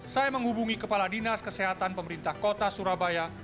saya menghubungi kepala dinas kesehatan pemerintah kota surabaya